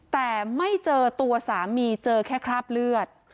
แต่ไม่เจอตัวสามีเจอแค่คราบเลือด